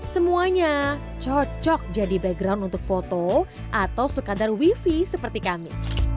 semuanya cocok jadi background untuk foto atau sekadar wifi seperti kami